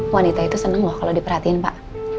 wanita itu seneng loh kalau diperhatiin pak